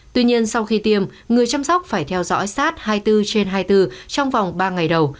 tuy nhiên sau khi tiêm người chăm sóc phải theo dõi sát hai mươi bốn trên hai mươi bốn trong vòng ba ngày đầu